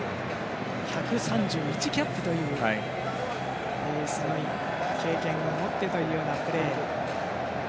１３１キャップという経験を持ってというようなプレーヤー。